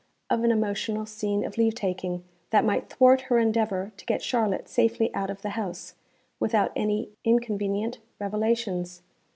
_ of an emotional scene of leave taking, that might thwart her endeavour to get Charlotte safely out of the house, without any 'inconvenient' revelations.